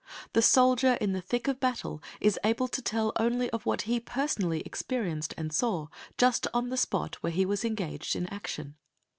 The soldier in the thick of battle is able to tell only of what he personally experienced and saw, just in the spot where he was engaged in action.